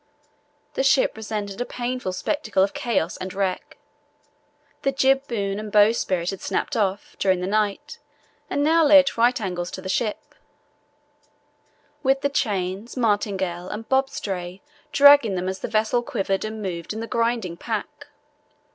The ship presented a painful spectacle of chaos and wreck. The jib boom and bowsprit had snapped off during the night and now lay at right angles to the ship, with the chains, martingale, and bob stay dragging them as the vessel quivered and moved in the grinding pack.